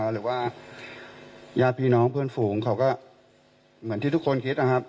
หรือว่าญาติพี่น้องเพื่อนฝูงเขาก็เหมือนที่ทุกคนคิดนะครับ